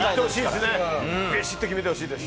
ビシッと決めてほしいです。